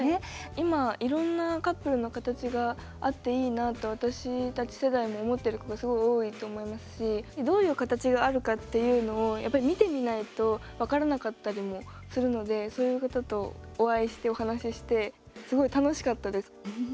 今いろんなカップルの形があっていいなと私たち世代も思ってる子がすごい多いと思いますしどういう形があるかっていうのをやっぱり見てみないと分からなかったりもするのでそういう方とお会いしてお話してすごい楽しかったです。